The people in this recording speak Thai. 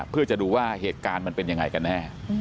เพื่อจะดูว่าเหตุการณ์มันเป็นยังไงกันแน่